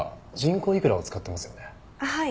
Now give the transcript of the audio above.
はい。